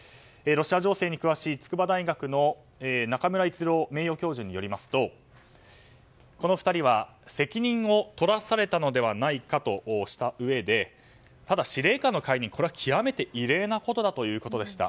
ロシア情勢に詳しい筑波大学の中村逸郎名誉教授によりますとこの２人は責任を取らされたのではないかとしたうえでただ、司令官の解任は極めて異例なことだということでした。